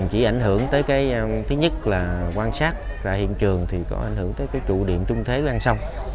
chỉ ảnh hưởng tới cái thứ nhất là quan sát ra hiện trường thì có ảnh hưởng tới cái trụ điện trung thế ven sông